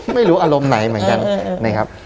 ไม่รู้อารมณ์ไหนเหมือนกันนะครับ